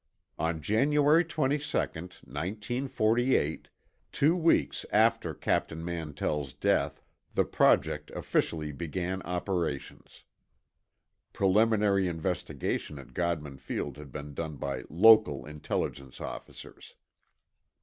On January 22, 1948, two weeks after Captain Mantell's death, the project officially began operations. (Preliminary investigation at Godman Field had been done by local Intelligence officers.)